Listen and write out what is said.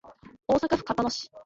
大阪府交野市